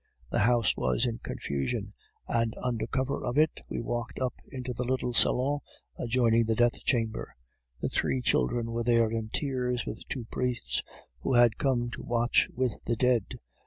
The house was in confusion, and under cover of it we walked up into the little salon adjoining the death chamber. The three children were there in tears, with two priests, who had come to watch with the dead.